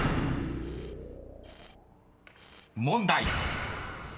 ［問題］